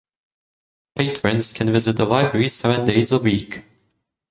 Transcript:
Patrons can visit the library seven days a week.